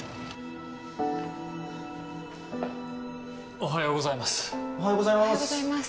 おはようございます。